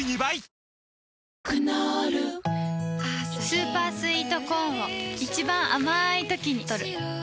スーパースイートコーンを一番あまいときにとる